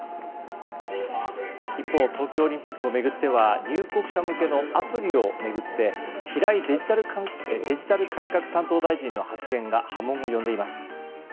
一方東京オリンピックを巡っては入国者向けのアプリを巡って平井デジタル改革担当大臣の発言が波紋を呼んでいます。